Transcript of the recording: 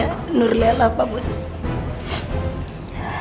ibu nurlela sedang membutuhkan transfusi darah tapi maaf darah disini sedang kosong